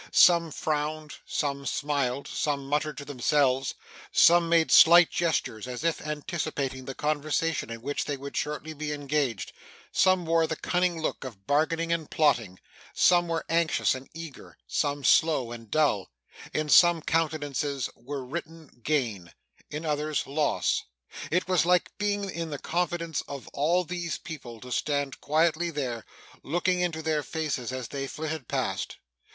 Some frowned, some smiled, some muttered to themselves, some made slight gestures, as if anticipating the conversation in which they would shortly be engaged, some wore the cunning look of bargaining and plotting, some were anxious and eager, some slow and dull; in some countenances, were written gain; in others, loss. It was like being in the confidence of all these people to stand quietly there, looking into their faces as they flitted past.